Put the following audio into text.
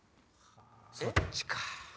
そっちか。